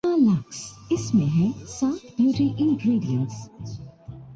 Richard Burton کہتے ہیں۔